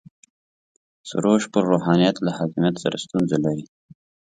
سروش پر روحانیت له حاکمیت سره ستونزه لري.